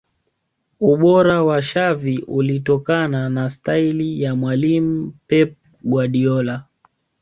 ubora wa xaviu ulitokana na staili ya mwalimu Pep Guardiola